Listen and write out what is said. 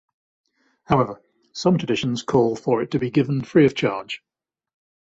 However, some traditions call for it to be given free of charge.